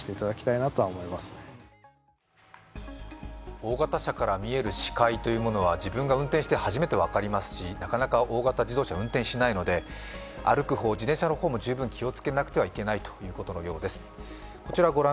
大型車から見える視界というものは自分が運転して初めて分かりますし、なかなか大型自動車を運転しないので歩く方、自転車の方も十分気をつけなければいけないということだそうです。